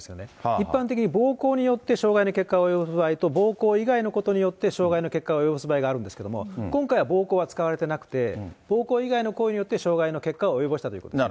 一般的に暴行によって傷害の結果が及ぶ場合と、暴行以外の行為によって傷害の結果を及ぼす場合があるんですけれども、今回は暴行は使われてなくて、暴行以外の行為によって、傷害の結果を及ぼしたということです。